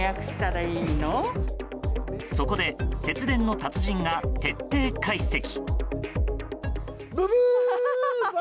そこで節電の達人が徹底解析。